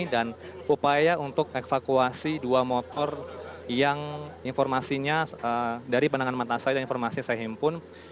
dan upaya untuk evakuasi dua motor yang informasinya dari penangan mata saya dan informasinya saya himpun